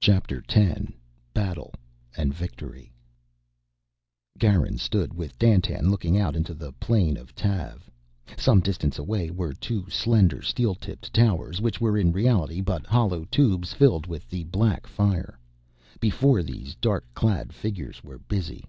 CHAPTER TEN Battle and Victory Garin stood with Dandtan looking out into the plain of Tav. Some distance away were two slender, steel tipped towers, which were, in reality, but hollow tubes filled with the Black Fire. Before these dark clad figures were busy.